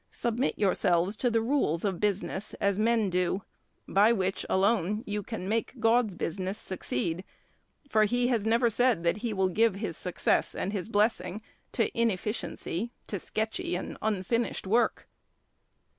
Submit yourselves to the rules of business, as men do, by which alone you can make God's business succeed; for He has never said that He will give His success and His blessing to inefficiency, to sketchy and unfinished work."